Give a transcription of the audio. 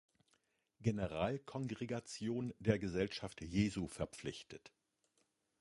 Generalkongregation der Gesellschaft Jesu verpflichtet.